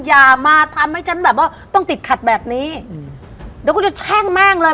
อย่ามาทำให้ฉันแบบว่าต้องติดขัดแบบนี้อืมเดี๋ยวกูจะแช่งแม่งเลย